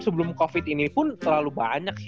sebelum covid ini pun terlalu banyak sih